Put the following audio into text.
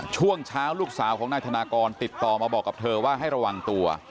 ช่วงเช้าลูกสาวของนายธนากรติดต่อมาบอกกับเธอว่าให้ระวังตัว